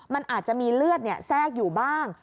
มันอาจจะมีเลือดแทรกอยู่บ้าง